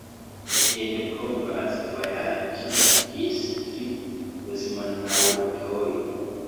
Ene povas vojaĝi ĝis tri kosmonaŭtoj.